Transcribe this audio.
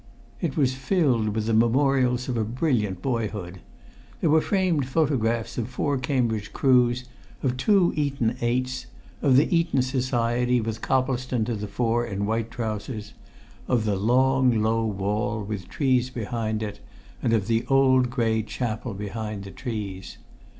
It was filled with the memorials of a brilliant boyhood. There were framed photographs of four Cambridge crews, of two Eton eights, of the Eton Society with Coplestone to the fore in white trousers, of the "long low wall with trees behind it" and of the "old grey chapel behind the trees."